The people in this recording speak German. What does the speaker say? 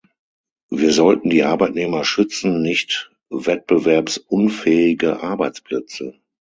Wir sollten die Arbeitnehmer schützen, nicht wettbewerbsunfähige Arbeitsplätze.